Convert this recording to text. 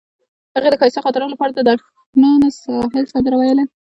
هغې د ښایسته خاطرو لپاره د روښانه ساحل سندره ویله.